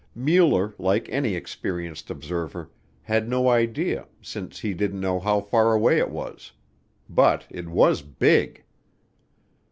Mueller, like any experienced observer, had no idea since he didn't know how far away it was. But, it was big!